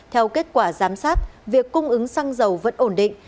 theo kết quả giám sát việc cung ứng xăng dầu vẫn ổn định